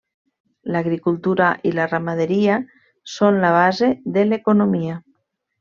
L'agricultura i la ramaderia són la base de l'economia.